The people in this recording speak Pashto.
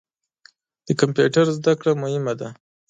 د کمپیوټر زده کړه مهمه ده.